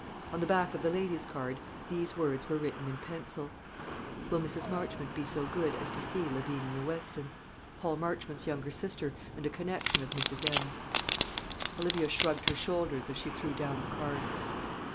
On the back of the lady's card these words were written in pencil: "Will Mrs. Marchmont be so good as to see Lavinia Weston, Paul Marchmont's younger sister, and a connection of Mrs. M.'s?" Olivia shrugged her shoulders, as she threw down the card.